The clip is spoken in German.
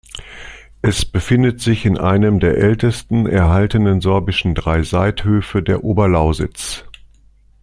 Es befindet sich in einem der ältesten erhaltenen sorbischen Dreiseithöfe der Oberlausitz.